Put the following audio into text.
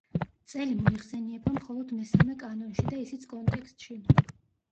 წელი მოიხსენიება მხოლოდ მესამე კანონში და ისიც კონტექსტში.